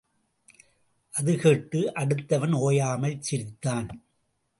அது கேட்டு, அடுத்தவன் ஓயாமல் சிரித்தான்.